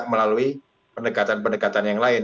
melalui pendekatan pendekatan yang lain